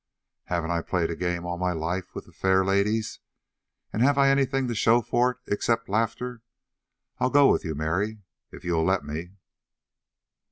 "Haven't I played a game all my life with the fair ladies? And have I anything to show for it except laughter? I'll go with you, Mary, if you'll let me."